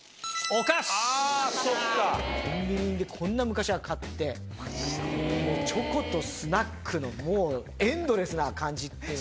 コンビニで、こんな、昔は買って、チョコとスナックの、もう、エンドレスな感じっていう。